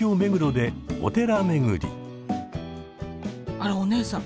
あらお姉さん